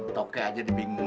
toke aja dibingung